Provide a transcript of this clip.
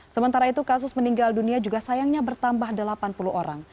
sementara itu kasus meninggal dunia juga sayangnya bertambah delapan puluh orang